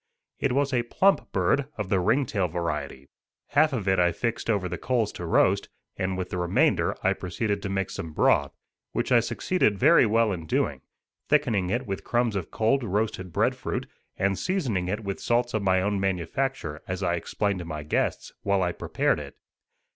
It was a plump bird, of the ring tail variety. Half of it I fixed over the coals to roast, and with the remainder I proceeded to make some broth, which I succeeded very well in doing, thickening it with crumbs of cold roasted bread fruit, and seasoning it with salt of my own manufacture, as I explained to my guests, while I prepared it.